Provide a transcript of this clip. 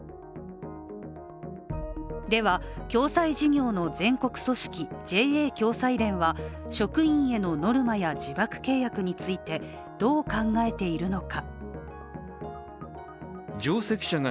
では、共済事業の全国組織・ＪＡ共済連は職員へのノルマや自爆契約についてどう考えているのか。